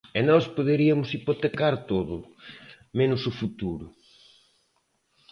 E nós poderiamos hipotecar todo, menos o futuro.